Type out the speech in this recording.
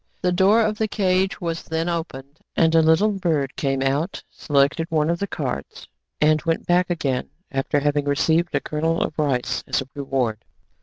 The door of the cage was then opened ; and a little bird came out, selected one of the cards, and went back again, after having received a kernel of rice as a reward.